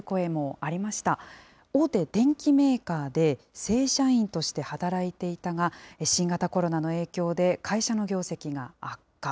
大手電機メーカーで正社員として働いていたが、新型コロナの影響で、会社の業績が悪化。